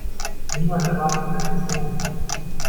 Niemand erwartet Perfektion.